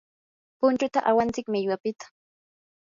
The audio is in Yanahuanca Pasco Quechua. punchuta awantsik millwapiqta.